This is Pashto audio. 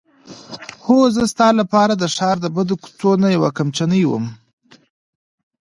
هوکې زه ستا لپاره د ښار د بدو کوڅو نه یوه کمچنۍ وم.